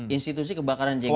institusi kebakaran jenggot